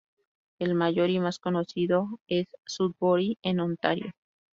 El mayor y más conocido es Sudbury en Ontario.